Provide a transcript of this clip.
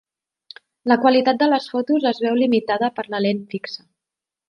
La qualitat de les fotos es veu limitada per la lent fixa.